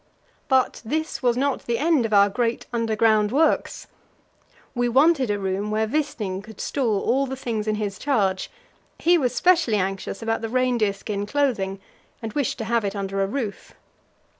But this was not the end of our great underground works. We wanted a room where Wisting could store all the things in his charge; he was specially anxious about the reindeer skin clothing, and wished to have it under a roof.